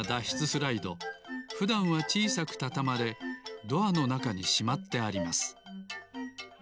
スライドふだんはちいさくたたまれドアのなかにしまってあります。